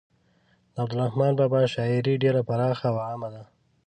د عبدالرحمان بابا شاعري ډیره پراخه او عامه ده.